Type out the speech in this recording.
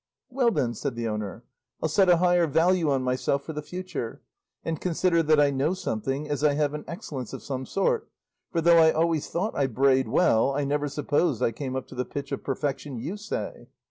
'Well then,' said the owner, 'I'll set a higher value on myself for the future, and consider that I know something, as I have an excellence of some sort; for though I always thought I brayed well, I never supposed I came up to the pitch of perfection you say.